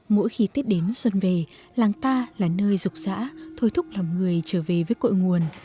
mỗi khi tiết đến xuân về làng ta là nơi rục rã thôi thúc lòng người trở về với cội nguồn